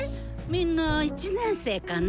みんな１年生かな？